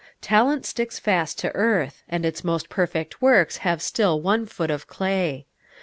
Talent sticks fast to earth, and its most perfect works have still one foot of clay.